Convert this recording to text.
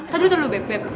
taduk tulu beb